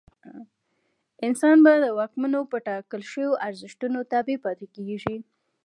انسان به د واکمنو په ټاکل شویو ارزښتونو تابع پاتې کېږي.